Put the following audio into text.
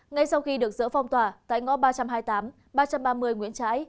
ngay sau khi được dỡ phong tỏa tại ngõ ba trăm hai mươi tám ba trăm ba mươi nguyễn trãi